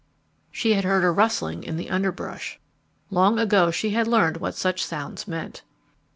She had heard a rustling in the underbrush. Long ago she had learned what such sounds meant.